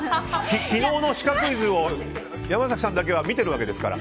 昨日のシカクイズを山崎さんだけは見てるわけですから。